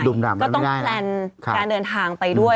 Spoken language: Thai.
ก็ต้องแพลนการเดินทางไปด้วย